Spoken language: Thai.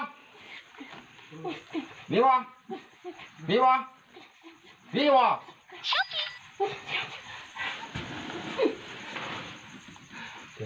นี่หว่าตากละ